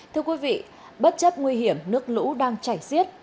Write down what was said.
thưa quý vị bất chấp nguy hiểm nước lũ đang chảy xiết